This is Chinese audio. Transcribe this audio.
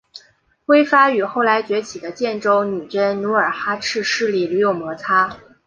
辉发与后来崛起的建州女真努尔哈赤势力屡有摩擦。